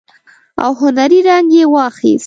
او هنري رنګ يې واخيست.